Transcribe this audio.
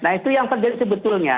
nah itu yang terjadi sebetulnya